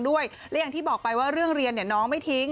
และอย่างที่บอกไปว่าเรื่องเรียนเนี่ยน้องไม่ทิ้ง